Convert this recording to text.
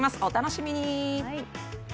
お楽しみに。